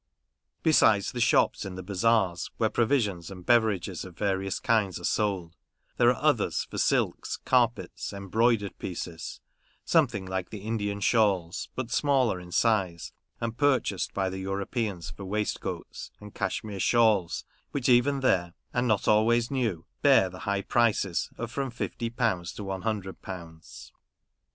Besides the shops in the bazaars, where provisions and beverages of various kinds are sold, there are others for silks, carpets, em broidered pieces, something like the Indian shawls, but smaller in size, and purchased by the Europeans for waistcoats ; and Cashmere shawls, which even there, and not always new, bear the high prices of from fifty pounds to one hundred pounds.